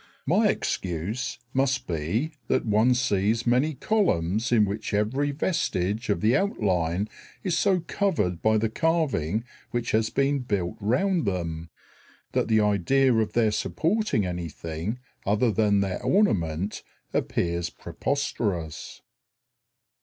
My excuse must be that one sees many columns in which every vestige of the outline is so covered by the carving which has been built round them, that the idea of their supporting anything other than their ornament appears preposterous.